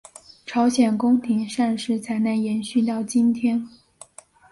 朝鲜宫廷膳食才能延续到今天。